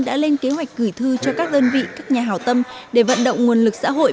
đã lên kế hoạch gửi thư cho các đơn vị các nhà hào tâm để vận động nguồn lực xã hội